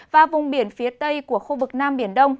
và vùng biển phía tây của khu vực nam biển đông